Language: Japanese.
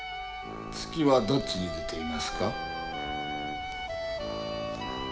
月はどっちに出ていますか？